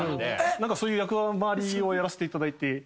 そういう役回りをやらせていただいて。